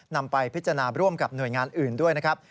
นำไปพิจารณาร่วมกับหน่วยงานอื่นด้วยนะครับ